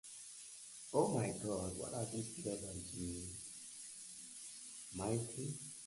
This relocation into a more urban environment had a strong impact on the nine-year-old.